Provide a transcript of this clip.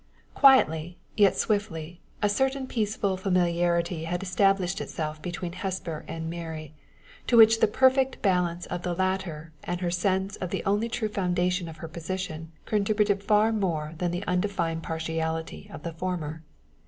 Quietly, yet swiftly, a certain peaceful familiarity had established itself between Hesper and Mary, to which the perfect balance of the latter and her sense of the only true foundation of her position contributed far more than the undefined partiality of the former.